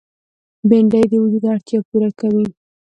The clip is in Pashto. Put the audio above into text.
بېنډۍ د وجود اړتیا پوره کوي